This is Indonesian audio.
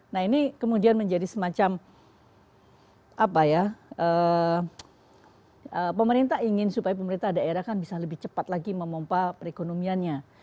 nah ini kemudian menjadi semacam apa ya pemerintah ingin supaya pemerintah daerah kan bisa lebih cepat lagi memompa perekonomiannya